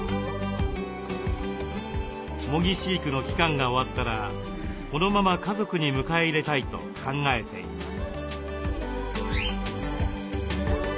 模擬飼育の期間が終わったらこのまま家族に迎え入れたいと考えています。